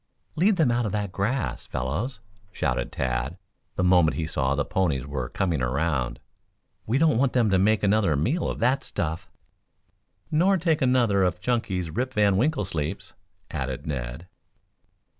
"Lead them out of that grass, fellows," shouted Tad, the moment he saw the ponies were coming around. "We don't want them to make another meal of that stuff." "Nor take another of Chunky's Rip Van Winkle sleeps," added Ned.